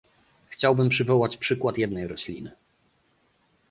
Chciałbym przywołać przykład jednej rośliny